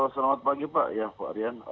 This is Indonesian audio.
selamat pagi pak ya pak rian